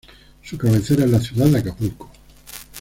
Su cabecera es la ciudad de Acapulco.